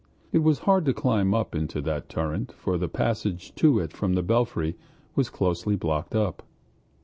It was hard to climb up into that turret, for the passage to it from the belfry was closely blocked up.